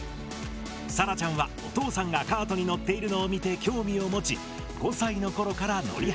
さらちゃんはお父さんがカートに乗っているのを見て興味を持ち５歳の頃から乗り始めた。